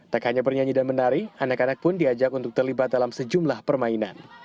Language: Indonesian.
tak hanya bernyanyi dan menari anak anak pun diajak untuk terlibat dalam sejumlah permainan